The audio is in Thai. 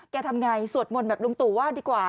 ทำไงสวดมนต์แบบลุงตู่ว่าดีกว่า